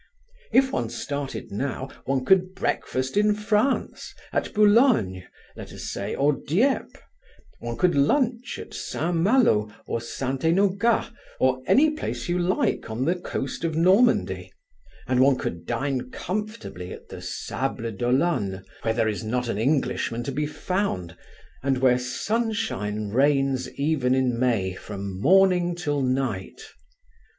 "If one started now one could breakfast in France, at Boulogne, let us say, or Dieppe; one could lunch at St. Malo or St. Enogat or any place you like on the coast of Normandy, and one could dine comfortably at the Sables d'Olonne, where there is not an Englishman to be found, and where sunshine reigns even in May from morning till night.